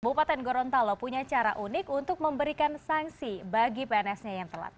bupati gorontalo punya cara unik untuk memberikan sanksi bagi pns nya yang telat